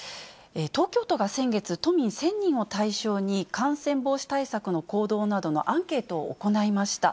東京都が先月、都民１０００人を対象に感染防止対策の行動などのアンケートを行いました。